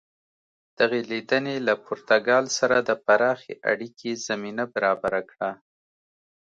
دغې لیدنې له پرتګال سره د پراخې اړیکې زمینه برابره کړه.